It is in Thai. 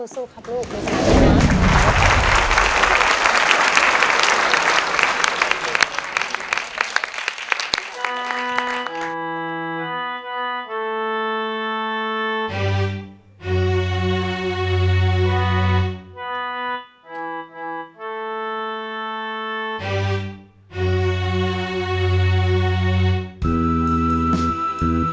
สู้ครับลูก